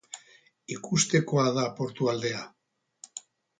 Ikustekoa da portu aldea.